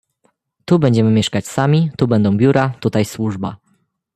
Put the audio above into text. "Tu będziemy mieszkać sami, tu będą biura, tutaj służba."